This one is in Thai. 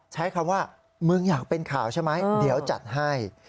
ใช้คำว่ามึงอยากเป็นข่าวใช่ไหมเดี๋ยวจัดให้